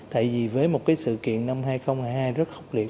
tại vì với một sự kiện năm hai nghìn hai mươi hai rất khốc liệt